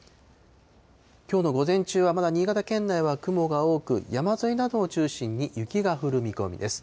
きょうの午前中は、まだ新潟県内は雲が多く、山沿いなどを中心に雪が降る見込みです。